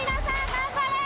頑張れ！